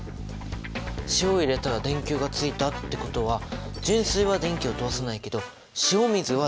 塩を入れたら電球がついたってことは純水は電気を通さないけど塩水は電気を通すんだね！